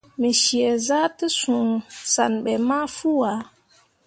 Me ceezah te cũũ san ɓe mah fuu ah.